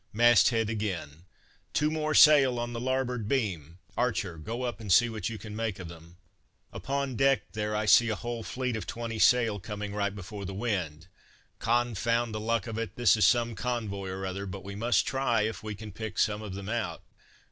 Mast head again: "Two more sail on the larboard beam!" "Archer, go up, and see what you can make of them." "Upon deck there; I see a whole fleet of twenty sail coming right before the wind." "Confound the luck of it, this is some convoy or other, but we must try if we can pick some of them out."